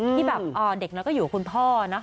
ที่แบบเด็กน้อยก็อยู่กับคุณพ่อเนอะ